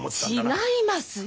違いますよ。